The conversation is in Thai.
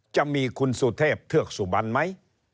จะมีคุณสุเทพเทือกสุบันไหม